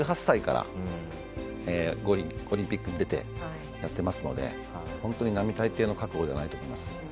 １８歳からオリンピックに出てやってますので本当に並大抵の覚悟ではないと思います。